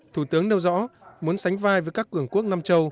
thủ tướng nêu rõ muốn sánh vai với các cường quốc nam châu